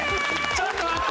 ちょっと待って！